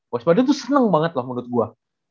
west bandit tuh seneng banget lah menurut gua